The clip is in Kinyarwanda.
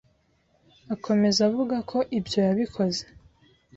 Akomeza avuga ko ibyo yabikoze